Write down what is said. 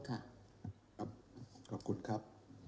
ครับขอบคุณครับ